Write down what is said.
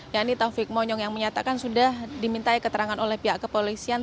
ya ini taufik monyong yang menyatakan sudah diminta keterangan oleh pihak kepolisian